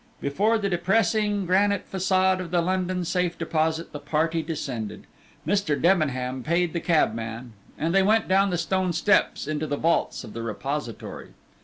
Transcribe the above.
Before the depressing granite façade of the London Safe Deposit the party descended, Mr. Debenham paid the cabman, and they went down the stone steps into the vaults of the repository.